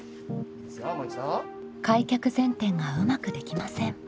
開脚前転がうまくできません。